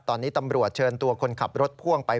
ตอนนี้ตำรวจเชิญตัวคนขับรถพ่วงไป